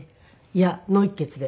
いや脳溢血で。